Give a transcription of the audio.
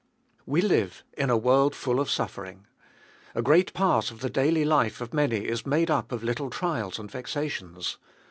WE live in a world full of suffering. A great part of the daily life of many is made up of little trials and vexations.